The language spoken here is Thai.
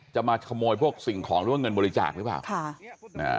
จะมาขโมยพวกสิ่งของหรือว่าเงินบริจาคหรือเปล่าค่ะอ่า